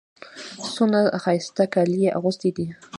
څونه ښایسته کالي يې اغوستي دي.